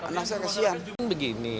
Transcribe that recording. anak saya kesian